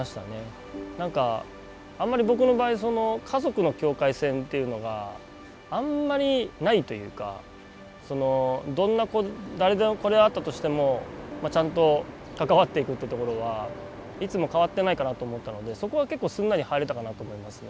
なんかあんまり僕の場合家族の境界線っていうのがあんまりないというか誰の子であったとしてもちゃんと関わっていくってところはいつも変わってないかなと思ったのでそこは結構すんなり入れたかなと思いますね。